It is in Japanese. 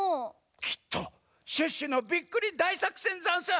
きっとシュッシュのビックリだいさくせんざんす！